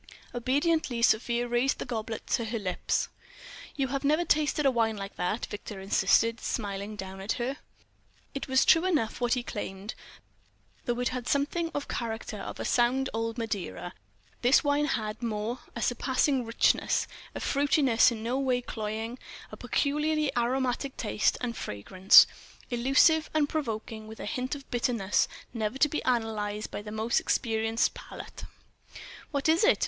Obediently, Sofia raised the goblet to her lips. "You have never tasted a wine like that," Victor insisted, smiling down at her. It was true enough, what he claimed; though it had something of character of a sound old Madeira, this wine had more, a surpassing richness, a fruitiness in no way cloying, a peculiarly aromatic taste and fragrance, elusive and provoking, with a hint of bitterness never to be analyzed by the most experienced palate. "What is it?"